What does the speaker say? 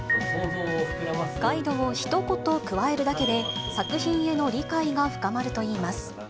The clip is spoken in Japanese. ガイドをひと言加えるだけで、作品への理解が深まるといいます。